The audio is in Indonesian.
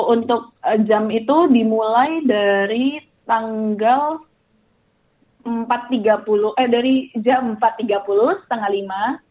untuk jam itu dimulai dari jam empat tiga puluh setengah lima